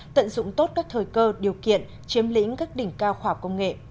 tận dụng tốt các thời cơ điều kiện chiếm lĩnh các đỉnh cao khỏa công nghệ